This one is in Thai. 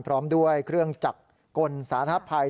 พร้อมด้วยเครื่องจักรกลสาธารณภัย